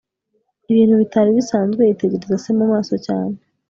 ibintu bitari bisanzwe, yitegereza se mumaso cyane